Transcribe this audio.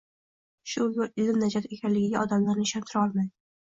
Shu yo‘l – ilm najot ekanligiga odamlarni ishontira olmadik.